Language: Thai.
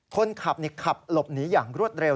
คนขับขับหลบหนีอย่างรวดเร็ว